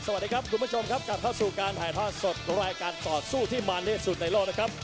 สวัสดีครับคุณผู้ชมครับกลับเข้าสู่การถ่ายทอดสดรายการต่อสู้ที่มันที่สุดในโลกนะครับ